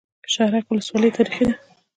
شهرک ولسوالۍ تاریخي ده؟